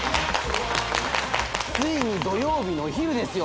ついに土曜日のお昼ですよ！